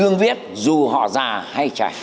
không viết dù họ già hay trẻ